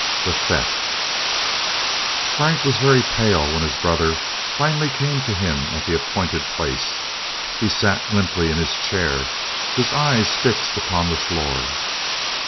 III THE THEFT Frank was very pale when his brother finally came to him at the appointed place. He sat limply in his chair, his eyes fixed upon the floor.